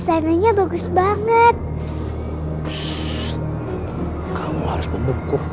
jangan lupa untuk berikan duit